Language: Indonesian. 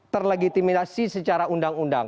terlegitimasi secara undang undang